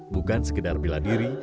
bukan sekedar bela diri